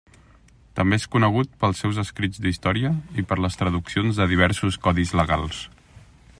També és conegut pels seus escrits d'història i per les traduccions de diversos codis legals.